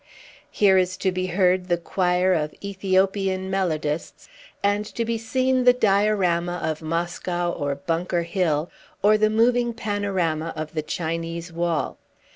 Here is to be heard the choir of Ethiopian melodists, and to be seen the diorama of Moscow or Bunker Hill, or the moving panorama of the Chinese wall.